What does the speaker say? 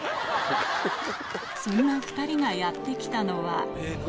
そんな２人がやって来たのは何？